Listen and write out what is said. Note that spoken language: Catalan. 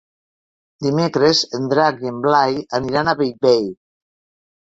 Dimecres en Drac i en Blai aniran a Bellvei.